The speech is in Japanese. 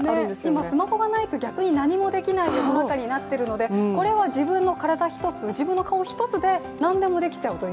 今、スマホがないと逆に何もできない世の中になっているのでこれは自分の体一つ、自分の顔一つで何でもできちゃうという。